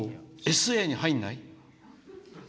ＳＡに入らない？